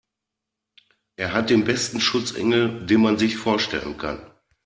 Er hat den besten Schutzengel, den man sich vorstellen kann.